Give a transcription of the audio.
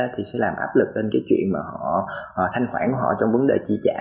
thì sẽ làm áp lực lên cái chuyện mà họ thanh khoản của họ trong vấn đề chi trả